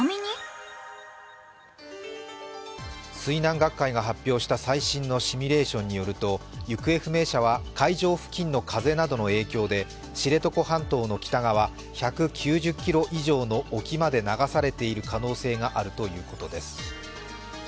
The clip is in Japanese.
水難学会が発表した最新のシミュレーションによると行方不明者は海上付近の風などの影響で知床半島の北側１９０ｋｍ以上の沖まで流されている可能性があるということです。